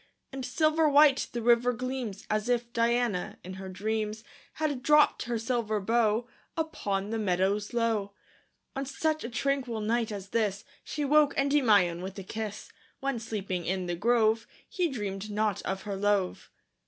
And silver white the river gleams, As if Diana, in her dreams, Had dropt her silver bow Upon the meadows low. On such a tranquil night as this, She woke Endymion with a kiss, When, sleeping in the grove, He dreamed not of her love.